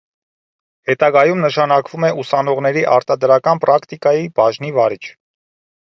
Հետագայում նշանակվում է ուսանողների արտադրական պրակտիկայի բաժնի վարիչ։